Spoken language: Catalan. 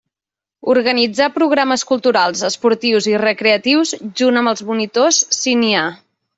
Organitzar programes culturals, esportius i recreatius, junt amb els monitors si n'hi ha.